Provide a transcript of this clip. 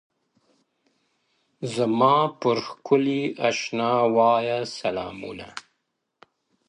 زما پر ښکلي اشنا وایه سلامونه!.